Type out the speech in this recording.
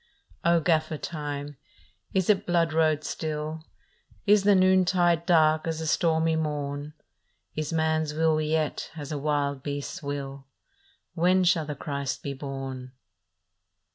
" O Gaffer Time, is it blood road still? Is the noontide dark as the stormy morn? Is man s will yet as a wild beast s will? When shall the Christ be born?